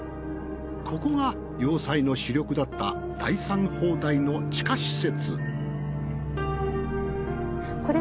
ここが要塞の主力だった第３砲台の地下施設。